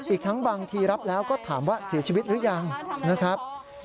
อีกทั้งบางทีรับแล้วก็ถามว่าเสียชีวิตหรือยังนะครับ